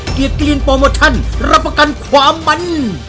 เกียรติลินโปรโมชั่นรับประกันความมัน